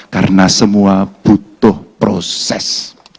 karena semua butuh proses